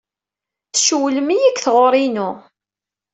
Tcewwlem-iyi deg tɣuri-inu.